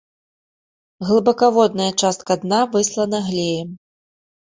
Глыбакаводная частка дна выслана глеем.